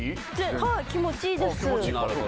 はい気持ちいいです